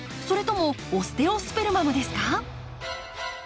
それともオステオスペルマムですか？